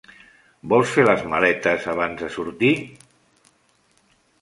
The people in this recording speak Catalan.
Vols fer les maletes abans de sortir?